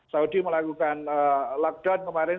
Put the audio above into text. saudi melakukan lockdown kemarin